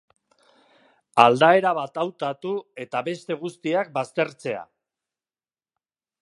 Aldaera bat hautatu eta beste guztiak baztertzea.